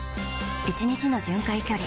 １日の巡回距離